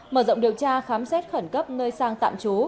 mở rộng điều tra khám xét khẩn cấp nơi sang tạm trú